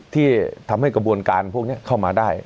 ที่ทำให้กระบวนการพวกนี้เข้ามาได้